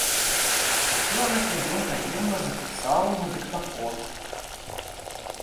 Усё гэта ён таемна запісаў на дыктафон.